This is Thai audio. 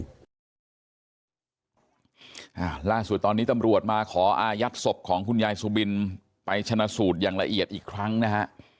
ล่าสุดตอนนี้ตำรวจมาขออายัดศพของคุณยายสุบินไปชนะสูตรอย่างละเอียดอีกครั้งนะฮะ